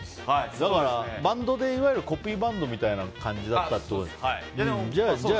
だから、バンドでいわゆるコピーバンドみたいな感じだったってことでしょ。